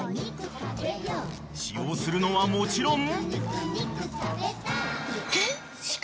［使用するのはもちろん］